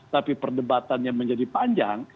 tapi perdebatannya menjadi panjang